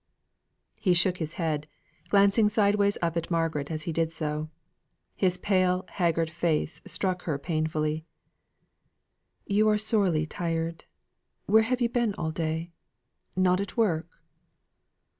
He shook his head, glancing sideways up at Margaret as he did so. His pale haggard face struck her painfully. "You are sorely tried. Where have you been all day not at work?"